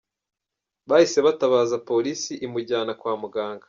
Bahise batabaza polisi imujyana kwa muganga.